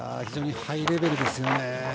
非常にハイレベルですよね。